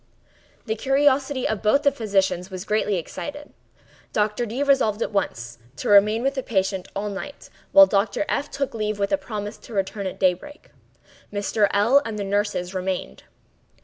The curiosity of both the physicians was greatly excited. Dr. D—— resolved at once to remain with the patient all night, while Dr. F—— took leave with a promise to return at daybreak. Mr. L—l and the nurses remained.